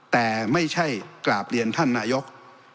แต่ไม่ใช่กราบเรียนท่านนายก